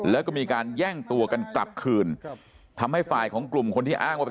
ในมุมของโลก่านแผนหลายคือชายแรกชาวนี้